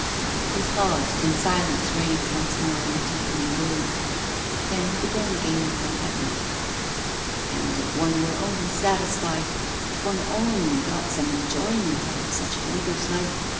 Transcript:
He paused, and silence reigned once more in the deepening gloom. Then he began again with an effort: 'And if one were only satisfied, if one only got some enjoyment out of such a nigger's life!